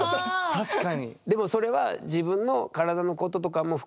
確かに。